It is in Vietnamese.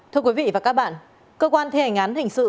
thưa quý vị và các bạn cơ quan thi hành án hình sự